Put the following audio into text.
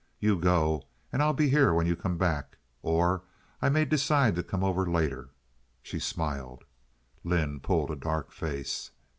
You go and I'll be here when you come back, or I may decide to come over later." She smiled. Lynde pulled a dark face.